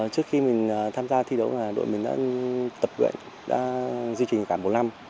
trước khi mình tham gia thi đấu đội mình đã tập nguyện đã duy trình cả bốn năm